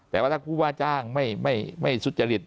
แต่ว่าถ้าผู้ว่าจ้างไม่สุจริต